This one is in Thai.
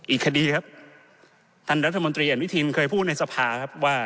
อีกคดีครับท่านรัฐมนตรีอนุทินเคยพูดในสภาครับว่า